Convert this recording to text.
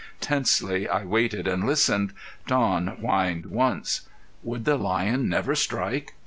Tensely I waited and listened. Don whined once. Would the lion never strike?